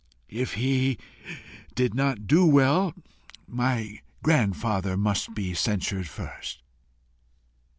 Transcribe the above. If he did not do well, my grandfather must be censured first.